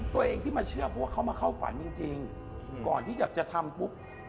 ตัวเองที่มาเชื่อเพราะว่าเขามาเข้าฝันจริงก่อนที่จะทำปุ๊บ